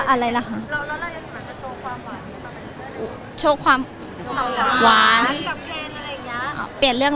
เล่านี่จะโชว์ความหวานต่อไปเรื่อย